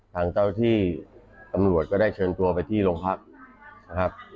ทางเจ้าที่ตำรวจก็ได้เชิญตัวไปที่โรงพักนะครับ